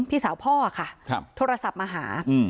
พี่สาวพ่อค่ะครับทัวราษับมาหาอืม